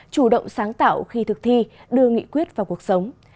chủ động sáng tạo khi thực thi đưa nghị quyết vào cuộc sống